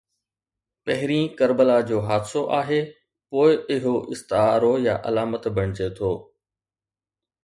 پهرين ڪربلا جو حادثو آهي، پوءِ اهو استعارو يا علامت بڻجي ٿو.